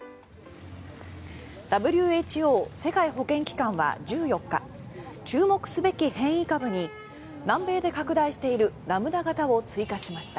ＷＨＯ・世界保健機関は１４日注目すべき変異株に南米で拡大しているラムダ型を追加しました。